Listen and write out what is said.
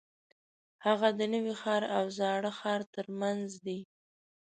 هغه د نوي ښار او زاړه ښار ترمنځ دی.